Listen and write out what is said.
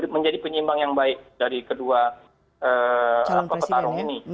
menjadi penyimbang yang baik dari kedua petarung ini